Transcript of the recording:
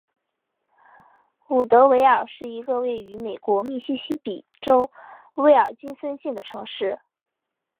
伍德维尔是一个位于美国密西西比州威尔金森县的城市。